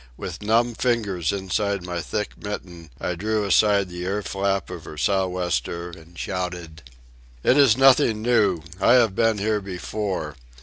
With numb fingers inside my thick mitten, I drew aside the ear flap of her sou'wester and shouted: "It is nothing new. I have been here before.